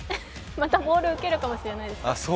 またボール受けるかもしれないですよ。